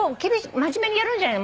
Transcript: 真面目にやるんじゃない。